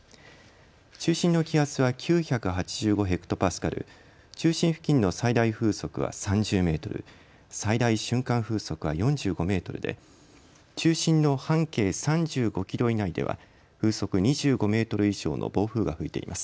中心の気圧は９８５ｈＰａ、中心付近の最大風速は３０メートル、最大瞬間風速は４５メートルで中心の半径３５キロ以内では風速２５メートル以上の暴風が吹いています。